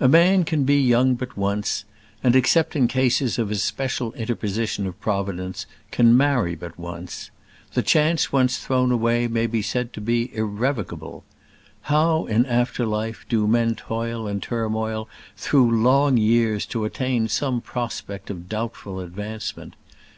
A man can be young but once, and, except in cases of a special interposition of Providence, can marry but once. The chance once thrown away may be said to be irrevocable! How, in after life, do men toil and turmoil through long years to attain some prospect of doubtful advancement!